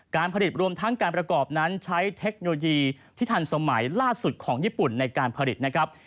การผลิตรวมทั้งการประกอบนั้นใช้เทคโนโลยีที่ทันสมัยล่าสุดของญี่ปุ่นในการผลิตนะครับ